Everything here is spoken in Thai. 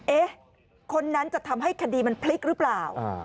เอ๊ะคนนั้นจะทำให้คดีมันพลิกหรือเปล่า